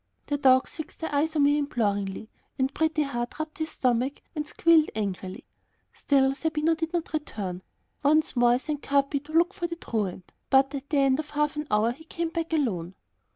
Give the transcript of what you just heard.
The dogs fixed their eyes on me imploringly, and Pretty Heart rubbed his stomach and squealed angrily. Still Zerbino did not return. Once more I sent Capi to look for the truant, but at the end of half an hour he came back alone.